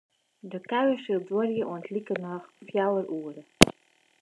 De kuier sil duorje oant likernôch fjouwer oere.